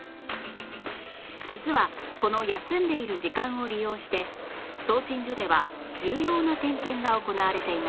実はこの休んでいる時間を利用して送信所では重要な点検が行われています